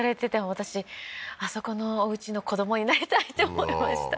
私、あそこのおうちの子供になりたいって思いました。